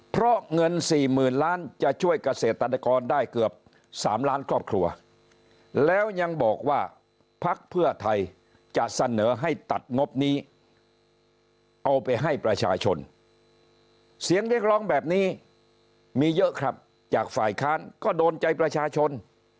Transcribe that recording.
เพราะเงินสี่หมื่นล้านจะช่วยเกษตรกรได้เกือบ๓ล้านครอบครัวแล้วยังบอกว่าพักเพื่อไทยจะเสนอให้ตัดงบนี้เอาไปให้ประชาชนเสียงเรียกร้องแบบนี้มีเยอะครับจากฝ่ายค้านก็โดนใจประชาชน